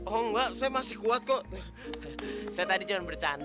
oh enggak saya masih kuat kok saya tadi jangan bercanda